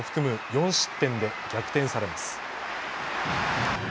４失点で逆転されます。